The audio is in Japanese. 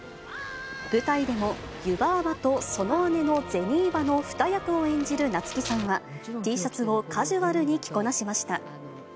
舞台でも湯婆婆とその姉の銭婆の２役を演じる夏木さんは、Ｔシャツをカジュアルに着こなしました。